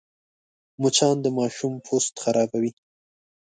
مچان د ماشوم پوست خرابوي